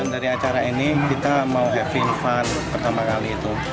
dari acara ini kita mau happy infan pertama kali itu